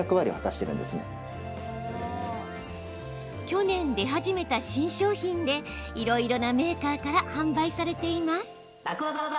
去年、出始めた新商品でいろいろなメーカーから販売されています。